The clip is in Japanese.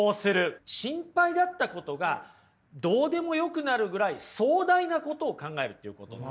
心配だったことがどうでもよくなるぐらい壮大なことを考えるっていうことなんです。